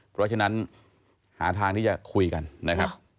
เพราะฉะนั้นหาทางที่จะคุยกันนะครับ